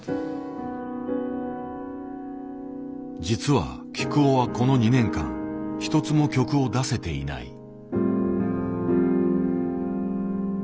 実はきくおはこの２年間一つも曲を出せていない。